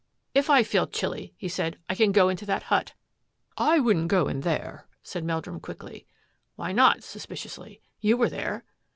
" If I feel chilly," he said, " I can go into that hut." " I wouldn't go in there," said Meldrum quickly. " Why not? " suspiciously. " You were there."